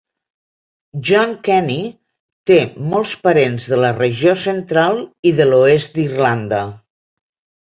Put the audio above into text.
Jon Kenny té molts parents de la regió central i de l'oest d'Irlanda.